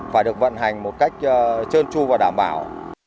phải được vận hành một cách trơn tru và đảm bảo